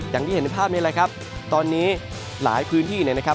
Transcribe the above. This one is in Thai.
อย่างที่เห็นในภาพนี้แหละครับตอนนี้หลายพื้นที่เนี่ยนะครับ